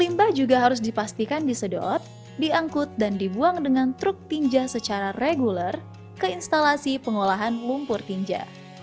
limbah juga harus dipastikan disedot diangkut dan dibuang dengan truk tinja secara reguler ke instalasi pengolahan lumpur tinja